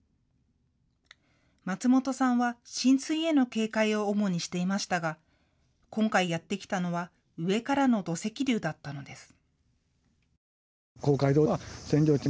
松本さんは浸水への警戒を主にしていましたが今回、やって来たのは上からの土石流だったのです。